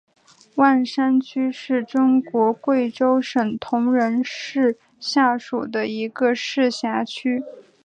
万山区是中国贵州省铜仁市下属的一个市辖区。